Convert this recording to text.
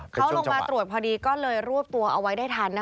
เขาลงมาตรวจพอดีก็เลยรวบตัวเอาไว้ได้ทัน